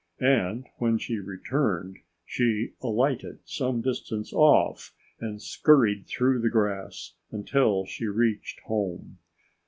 And when she returned she alighted some distance off and scurried through the grass until she reached home.